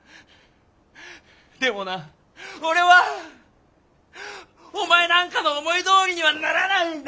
でもな俺はお前なんかの思いどおりにはならないんだ！